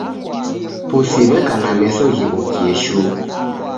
Pusi w'eka na meso ghighokie shuu